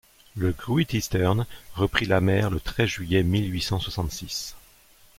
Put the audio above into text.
Le Great-Eastern reprit la mer le treize juillet mille huit cent soixante-six.